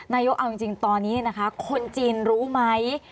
นายกเอาจริงตอนนี้นะคะคนจีนรู้ไหม